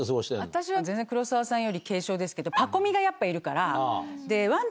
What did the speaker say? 私は全然黒沢さんより軽症ですけどパコ美がやっぱいるから。